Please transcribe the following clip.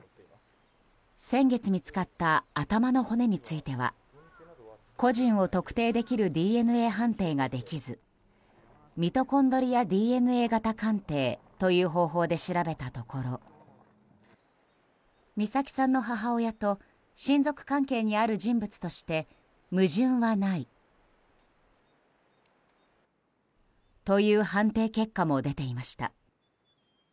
先月見つかった頭の骨については個人を特定できるＤＮＡ判定ができずミトコンドリアＤＮＡ型鑑定という方法で調べたところ美咲さんの母親と親族関係にある人物として矛盾はないという判定結果も出ていました。